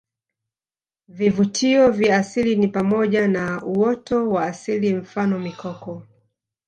Vivutio vya asili ni pamoja na uoto wa asili mfano mikoko